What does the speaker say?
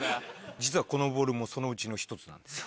実はこのボールもそのうちの１つなんですよ。